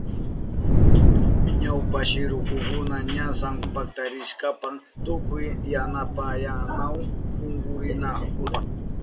Ñawpashi rukukunaka ña San Juan paktarihushpan tukuy yantapayanahun kununankunapa.